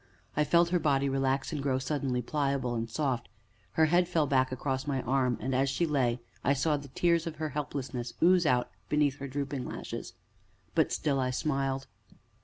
I felt her body relax and grow suddenly pliable and soft, her head fell back across my arm, and, as she lay, I saw the tears of her helplessness ooze out beneath her drooping lashes; but still I smiled.